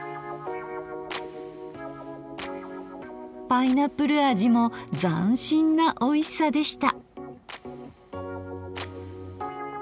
パイナップル味も斬新なおいしさでした。